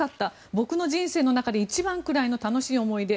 僕の人生の中で一番くらいの楽しい思い出。